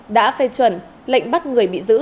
đã phê chuẩn lệnh bắt người bị giữ